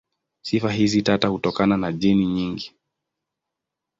Sifa hizi tata hutokana na jeni nyingi.